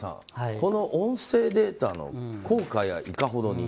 この音声データの効果はいかほどに？